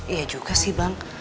iya juga sih bang